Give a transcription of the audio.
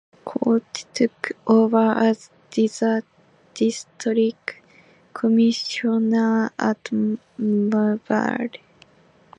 Coote took over as District Commissioner at Mbale.